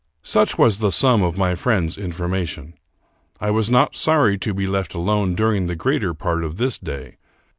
Such was the sum of my friend's information. I was not sorry to be left alone during the greater part of this day.